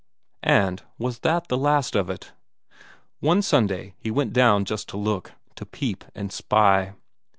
And was that the last of it? One Sunday he went down just to look; to peep and spy.